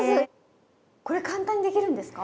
これ簡単にできるんですか？